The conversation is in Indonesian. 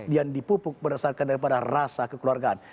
yang dipupuk berdasarkan daripada rasa kekeluargaan